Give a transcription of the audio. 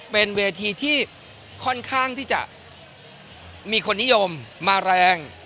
เป็นเวทีที่ค่อนข้างที่จะมีคนนิยมมาแรง